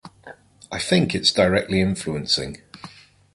I think it's directly influencing.